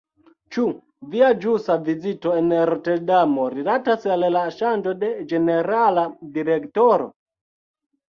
Ĉu via ĵusa vizito en Roterdamo rilatas al la ŝanĝo de ĝenerala direktoro?